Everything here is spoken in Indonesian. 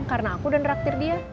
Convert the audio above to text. karena aku udah ngeraktir dia